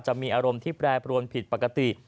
จะมีอารมณ์ที่แปรปรวนผิดปกติ